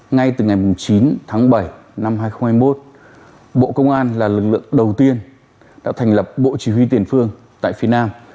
ngay từ ngày chín tháng bảy năm hai nghìn hai mươi một bộ công an là lực lượng đầu tiên đã thành lập bộ chỉ huy tiền phương tại phía nam